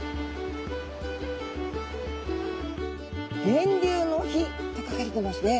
「源流の碑」って書かれてますね。